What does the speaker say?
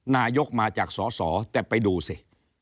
นายกมาจากสอสอแต่ไปดูสิ